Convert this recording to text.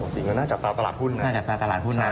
จริงน่าจะจับตาตลาดหุ้นนะ